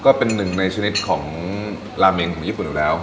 ก็เป็นหนึ่งในชนิดของลาเมงของญี่ปุ่นอยู่แล้ว